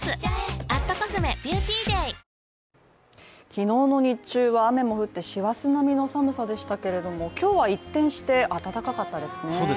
昨日の日中は雨も降って師走並みの寒さでしたけれども今日は一転して暖かかったですね。